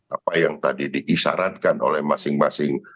apa yang tadi diisaratkan oleh masing masing